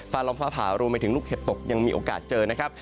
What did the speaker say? ลองฟ้าผ่ารวมไปถึงลูกเห็บตกยังมีโอกาสเจอนะครับ